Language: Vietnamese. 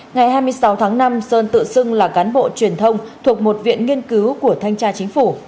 ngày hai mươi sáu tháng năm sơn tự xưng là cán bộ truyền thông thuộc một viện nghiên cứu của thanh tra chính phủ